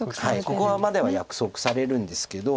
ここまでは約束されるんですけど。